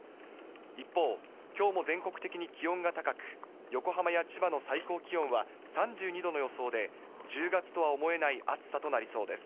一方、きょうも全国的に気温が高く、横浜や千葉の最高気温は３２度の予想で、１０月とは思えない暑さとなりそうです。